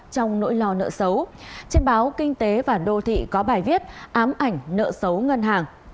trong nỗi lo nợ xấu trên báo kinh tế và đô thị có bài viết ám ảnh nợ xấu ngân hàng